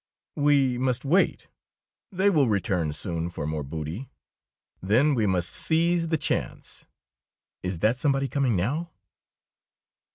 "We must wait. They will return soon for more booty. Then we must seize the chance. Is that somebody coming now?"